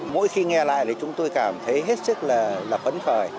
mỗi khi nghe lại thì chúng tôi cảm thấy hết sức là vấn khởi